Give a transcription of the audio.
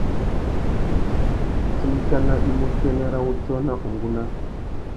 Itindikana i mú utênê râ wutiō na ungúná.